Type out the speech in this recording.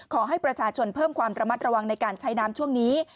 ขอให้ประชาชนเพิ่มความระมัดระวังในการใช้น้ำช่วงนี้